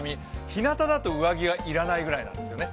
ひなただと上着が要らないぐらいなんですよね。